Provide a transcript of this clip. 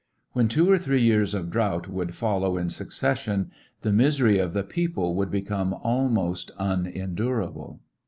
When two or three years of drought would follow in succession, the miseiy of the people would be come almost unendurable.